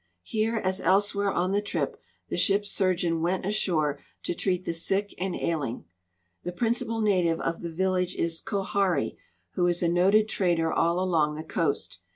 Here, as elsewhere on the ti'ip, the ship's surgeon went ashore to treat the sick and ailing. The principal native of the village is Koharri, who is a noted trader all along the coast.